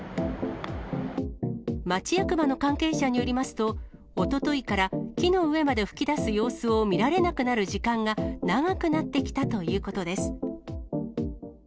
町役場の関係者によりますと、おとといから木の上まで噴き出す様子を見られなくなる時間が長くなってきたということです。